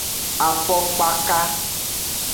Afokpaka.